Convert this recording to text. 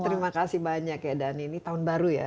terima kasih banyak ya dan ini tahun baru ya